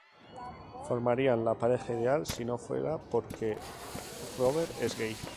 Formarían la pareja ideal si no fuera porque Robert es gay.